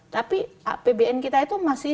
tapi apbn kita itu masih